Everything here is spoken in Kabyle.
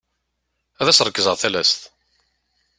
Ad as-ṛekzeɣ talast.